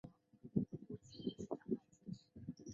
你会注意到我避免说任何政治的事。